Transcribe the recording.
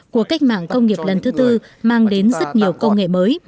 cuộc cách mạng công nghiệp lần thứ tư mang đến rất nhiều công nghệ mới